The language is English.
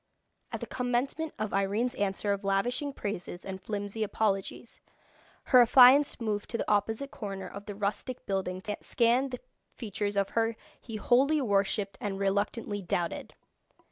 At the commencement of Irene's answer of lavishing praises and flimsy apologies, her affianced moved to the opposite corner of the rustic building to scan the features of her he wholly worshipped and reluctantly doubted.